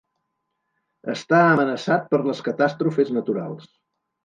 Està amenaçat per les catàstrofes naturals.